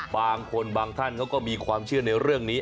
บางคนบางท่านเขาก็มีความเชื่อในเรื่องนี้